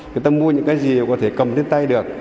người ta mua những cái gì có thể cầm trên tay được